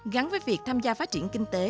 gắn với việc tham gia phát triển kinh tế